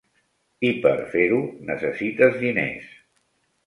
I per fer-ho, necessites diners.